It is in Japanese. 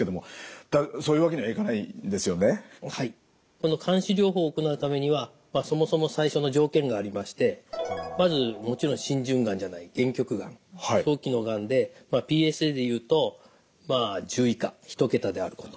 この監視療法を行うためにはそもそも最初の条件がありましてまずもちろん浸潤がんじゃない限局がん早期のがんでＰＳＡでいうとまあ１０以下１桁であること。